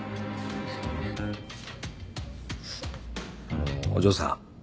あのお嬢さん。